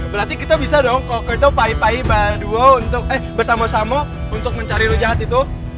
berarti kita bisa dong kok kertopai pai bersama sama untuk mencari rujat itu